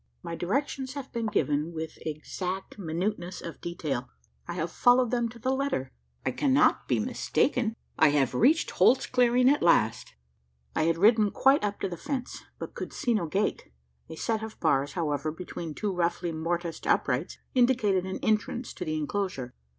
My directions have been given with exact minuteness of detail. I have followed them to the letter: I cannot be mistaken: I have reached Holt's Clearing at last." I had ridden quite up to the fence, but could see no gate. A set of bars, however, between two roughly mortised uprights, indicated an entrance to the enclosure.